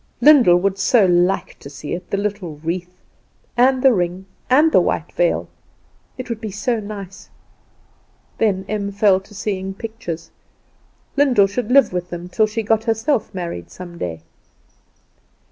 Lyndall would so like to see it the little wreath, and the ring, and the white veil! It would be so nice! Then Em fell to seeing pictures. Lyndall should live with them till she herself got married some day.